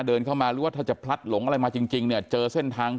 เดินเข้ามาหรือว่าถ้าจะพลัดหลงอะไรมาจริงเนี่ยเจอเส้นทาง